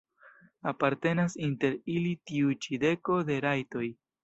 Apartenas inter ili tiu ĉi deko de rajtoj.